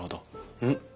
うん？